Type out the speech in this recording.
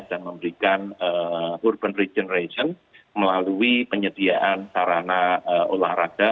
dan memberikan urban regeneration melalui penyediaan sarana olahraga